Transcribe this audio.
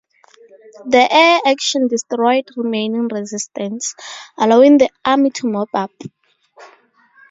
The air action destroyed remaining resistance, allowing the army to mop up.